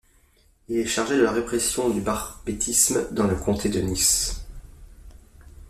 Il est chargé de la répression du barbétisme dans le comté de Nice.